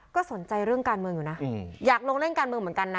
ก็สนใจเรื่องการเมืองอยู่นะอยากลงเล่นการเมืองเหมือนกันนะ